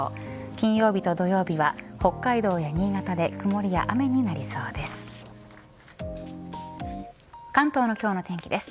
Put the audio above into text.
金曜日と土曜日は北海道や新潟で曇りや雨になりそうです。